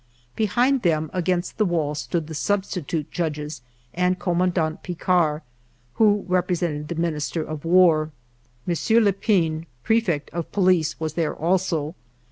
Behind them against the wall stood the substitute judges and Commandant Picquart, who represented the Minister of War. M. Lepine, Prefect of Police, w^as there also.